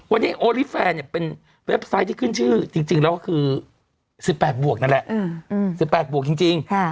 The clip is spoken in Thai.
วันนี้โอลี่แฟนเนี่ยเป็นเว็บไซต์ที่ขึ้นชื่อจริงแล้วก็คือ๑๘บวกนั่นแหละ๑๘บวกจริง